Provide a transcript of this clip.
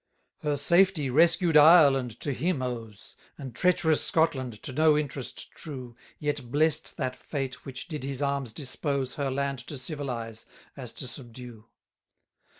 17 Her safety rescued Ireland to him owes; And treacherous Scotland, to no interest true, Yet blest that fate which did his arms dispose Her land to civilize, as to subdue.